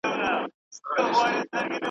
باز دي کم شهباز دي کم خدنګ دی کم.